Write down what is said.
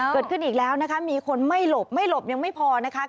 เกิดขึ้นอีกแล้วนะคะมีคนไม่หลบไม่หลบยังไม่พอนะคะ